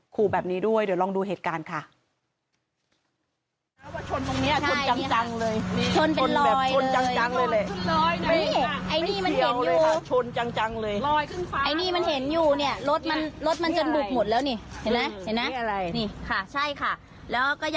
ขู่แบบนี้ด้วยเดี๋ยวลองดูเหตุการณ์ค่ะ